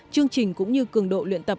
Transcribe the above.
chương trình cũng như cường độ luyện tập